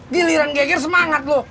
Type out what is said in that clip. giliran geger semangat lu